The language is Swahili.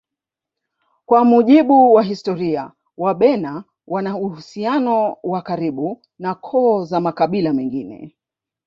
Kwa mujibu wa historia wabena wana uhusiano wa karibu na koo za makabila mengine